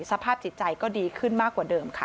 สภาพจิตใจก็ดีขึ้นมากกว่าเดิมค่ะ